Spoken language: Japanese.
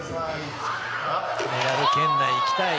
メダル圏内いきたい。